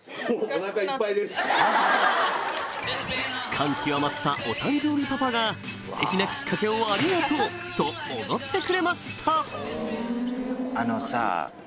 感極まったお誕生日パパが「ステキなきっかけをありがとう」とおごってくれました